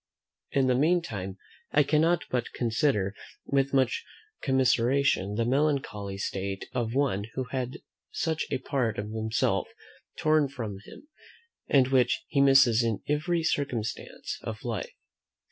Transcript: In the meantime, I cannot but consider, with much commiseration, the melancholy state of one who has had such a part of himself torn from him, and which he misses in every circumstance of life.